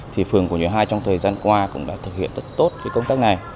thì phường của những hai trong thời gian qua cũng đã thực hiện rất tốt công tác này